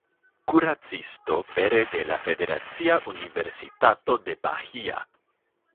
Kuracisto pere de la Federacia Universitato de Bahia.